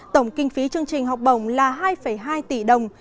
tổng kinh phí chương trình học bổng là hai hai tỷ đồng